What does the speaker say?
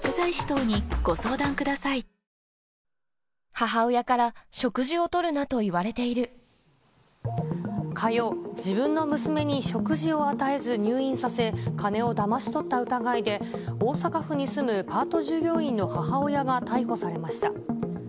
母親から食事をとるなと言わ火曜、自分の娘に食事を与えず入院させ、金をだまし取った疑いで、大阪府に住むパート従業員の母親が逮捕されました。